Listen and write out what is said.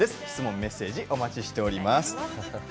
質問・メッセージお待ちしています。